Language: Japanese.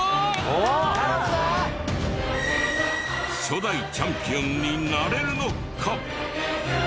初代チャンピオンになれるのか！？